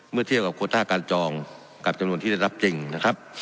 เทียบกับโคต้าการจองกับจำนวนที่ได้รับจริงนะครับ